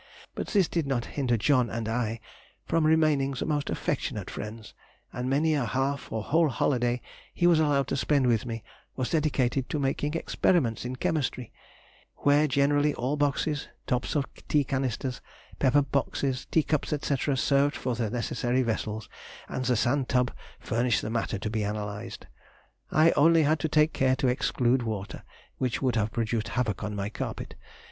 But this did not hinder John and I from remaining the most affectionate friends, and many a half or whole holiday he was allowed to spend with me, was dedicated to making experiments in chemistry, where generally all boxes, tops of tea canisters, pepper boxes, teacups, &c., served for the necessary vessels, and the sand tub furnished the matter to be analysed. I only had to take care to exclude water, which would have produced havoc on my carpet.